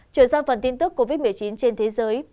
chuyển sang phần tin tức covid một mươi chín trên thế giới